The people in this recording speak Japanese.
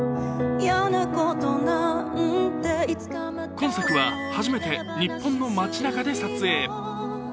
今作は初めて日本の街なかで撮影。